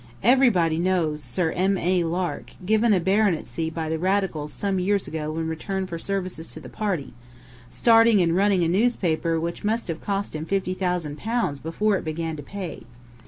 Everybody knows Sir M. A. Lark, given a baronetcy by the Radicals some years ago in return for services to the party starting and running a newspaper which must have cost him fifty thousand pounds before it began to pay.